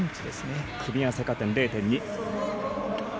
組み合わせ加点０．２。